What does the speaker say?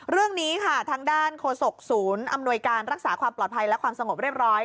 เรื่องนี้ค่ะทางด้านโฆษกศูนย์อำนวยการรักษาความปลอดภัยและความสงบเรียบร้อย